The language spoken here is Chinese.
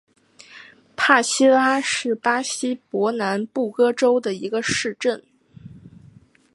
帕西拉是巴西伯南布哥州的一个市镇。